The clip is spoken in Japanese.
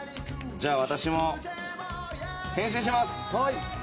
じゃあ私も変身します！